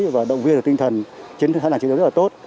và động viên được tinh thần chiến đấu rất là tốt